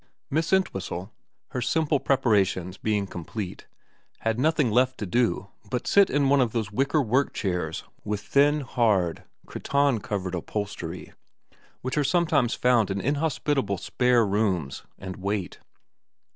Miss Entwhistle, her simple preparations being com plete, had nothing left to do but sit in one of those wicker work chairs with thin, hard, cretonne covered upholstery, which are sometimes found in inhospitable spare rooms and wait.